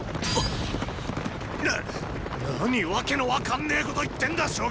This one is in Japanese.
なっ何わけの分かんねーこと言ってんだ将軍！